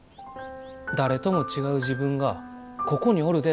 「誰とも違う自分がここにおるで！」